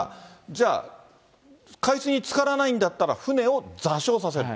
じゃあ、海水につからないんだったら、船を座礁させる。